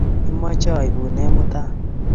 Imache aipun nee mutai?